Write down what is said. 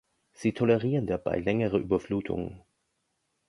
Sie tolerieren dabei längere Überflutungen.